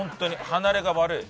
離れが悪い。